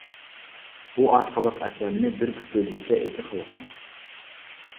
بۇ ئارقىلىق ئەسەرنى بىر پۈتۈنلۈككە ئىگە قىلغان.